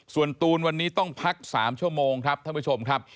ส่วนตูนวันนี้ต้องพัก๓ชั่วโมงครับท่านผู้ชมครับ